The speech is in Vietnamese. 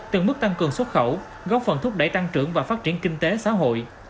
từng mức tăng cường xuất khẩu góp phần thúc đẩy tăng trưởng và phát triển kinh tế xã hội